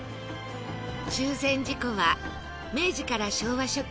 中禅寺湖は明治から昭和初期